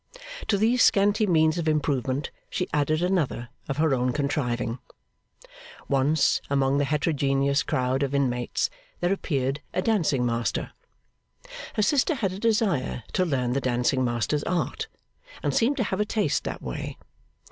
To these scanty means of improvement, she added another of her own contriving. Once, among the heterogeneous crowd of inmates there appeared a dancing master. Her sister had a great desire to learn the dancing master's art, and seemed to have a taste that way.